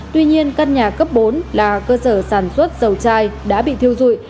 tuy nhiên căn nhà cấp bốn là cơ sở sản xuất dầu chai đã bị thiêu dụi